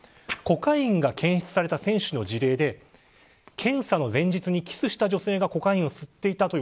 コカインが検出された選手の事例で検査の前日にキスした女性がコカインを吸っていた。